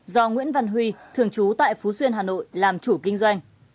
do nguyễn văn huy thường trú tại phú xuyên hà nội làm chủ kinh doanh